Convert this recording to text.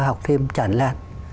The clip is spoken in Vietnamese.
học thêm chản lan